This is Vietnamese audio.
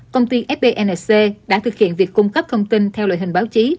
công ty fbnc đã thực hiện việc cung cấp thông tin theo loại hình báo chí